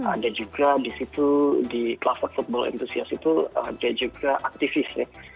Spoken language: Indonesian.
ada juga di situ di cluster football entusiast itu ada juga aktivis ya